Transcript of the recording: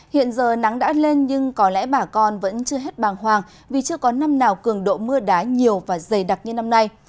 hiện giờ nắng đã lên nhưng có lẽ bà con vẫn chưa hết bàng hoàng vì chưa có năm nào cường độ mưa đá nhiều và dày đặc như năm nay